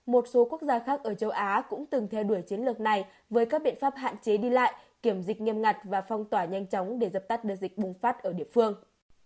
một số quốc gia khác ở châu á cũng từng theo đuổi chiến lược này với các biện pháp hạn chế đi lại kiểm dịch nghiêm ngặt và phong tỏa nhanh chóng để dập tắt đợt dịch bùng phát ở địa phương